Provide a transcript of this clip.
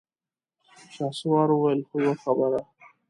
شهسوار وويل: خو يوه خبره!